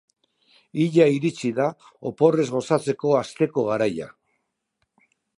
Ia iritsi da oporrez gozatzen hasteko garaia!